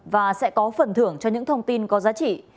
và sẽ có phần thưởng cho những thông tin có giá trị